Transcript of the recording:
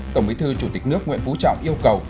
tổng bí thư chủ tịch nước nguyễn phú trọng yêu cầu